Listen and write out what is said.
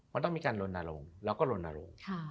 มันต้องมีการลนอารมณ์แล้วก็ลนอารมณ์